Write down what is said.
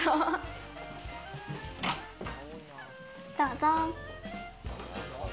どうぞ。